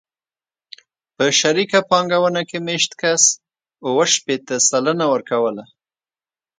په شریکه پانګونه کې مېشت کس شپېته اووه سلنه ورکوله.